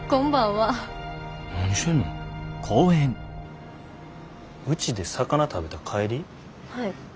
はい。